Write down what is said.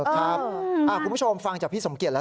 คุณผู้ชมฟังจากพี่สมเกียจแล้ว